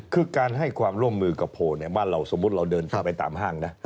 คือการให้ความร่วมมือกับโพลเนี่ยบ้านเราสมมุติเราเดินขึ้นไปตามห้างนะ